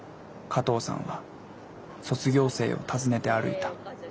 加藤さんは卒業生をたずねて歩いた。